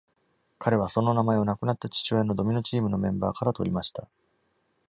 彼はその名前を亡くなった父親のドミノチームのメンバーからとりました。